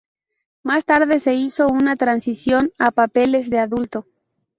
Más tarde se hizo una transición a papeles de adulto.